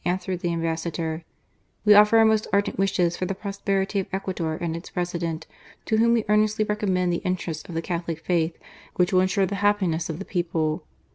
answered the Ambassador: " We offer our most ardent wishes for the pros perity of Ecuador and its President, to whom wc earnestly recommend the interests of the Catholic Faith, which will ensure the happiness of the people.